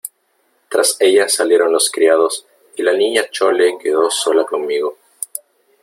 tras ella salieron los criados , y la Niña Chole quedó sola conmigo .